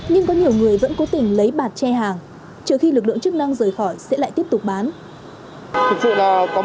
nhưng có nhiều người vẫn cố tình lấy bạt che hàng chờ khi lực lượng chức năng rời khỏi sẽ lại tiếp tục bán